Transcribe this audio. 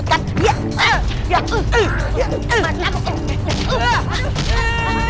oh hancar aku